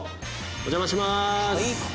お邪魔します！